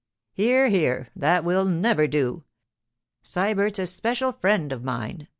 'Here, here! that will never do! Sybert's a special friend of mine.